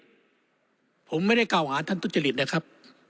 ในทางทุษฎฤษผมไม่ได้กล่าวหาท่านทุษฎฤษนะครับ